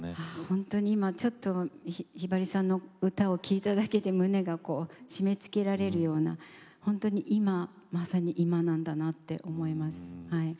本当に今ちょっとひばりさんの歌を聴いただけで胸がこう締めつけられるような本当に今まさに今なんだなって思います。